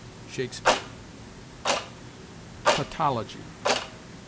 Shakespeare. TAUTOLOGY.